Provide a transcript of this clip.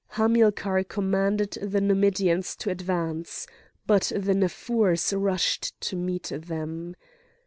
Hamilcar commanded the Numidians to advance. But the Naffurs rushed to meet them.